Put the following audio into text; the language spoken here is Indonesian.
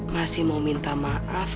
masih mau minta maaf